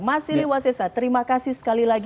mas ily wasilsa terima kasih sekali lagi